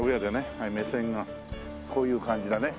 はい目線がこういう感じだね。